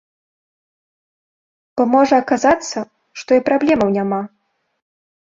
Бо можа аказацца, што і праблемаў няма.